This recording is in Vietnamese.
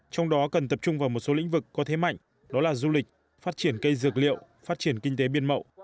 trong đó cần tập trung vào một số lĩnh vực có thế mạnh đó là du lịch phát triển cây dược liệu phát triển kinh tế biên mậu